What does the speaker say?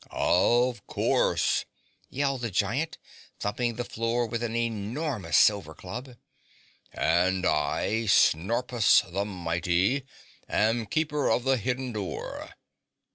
"Of course!" yelled the giant, thumping the floor with an enormous silver club. "And I, Snorpus the Mighty, am Keeper of the Hidden Door.